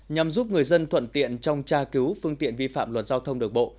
nhằm giúp người dân thuận tiện trong tra cứu phương tiện vi phạm luật giao thông đường bộ